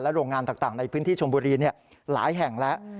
โรงงานต่างในพื้นที่ชมบุรีหลายแห่งแล้ว